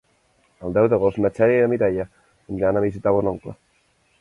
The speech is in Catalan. El deu d'agost na Xènia i na Mireia aniran a visitar mon oncle.